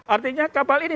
artinya kapal ini